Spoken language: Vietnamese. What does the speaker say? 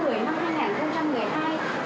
tổ chức chính phủ đã quyết định